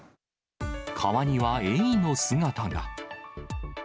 川にはエイの姿が。